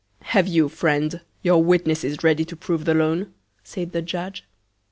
Have you, Friend, your Witnesses ready to prove the Loan, said the Judge?